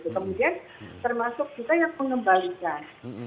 kemudian termasuk juga yang mengembalikan